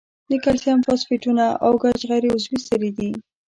د کلسیم فاسفیټونه او ګچ غیر عضوي سرې دي.